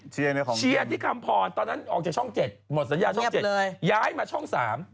ใช่เชียร์ที่คำพอธ์ตอนนั้นออกจากช่อง๗